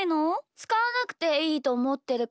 つかわなくていいとおもってるからだよ。